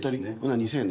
２０００円？